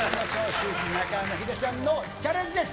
シューイチ、中山ヒデちゃんのチャレンジです。